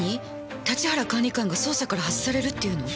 立原管理官が捜査から外されるっていうの？